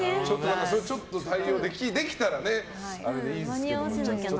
ちょっと対応できたらいいんですけどね。